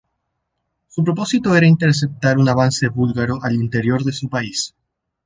Su propósito era interceptar un avance búlgaro al interior de su país.